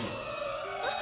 あっ！？